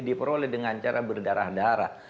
diperoleh dengan cara berdarah darah